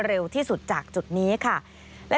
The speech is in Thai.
สวัสดีค่ะสวัสดีค่ะ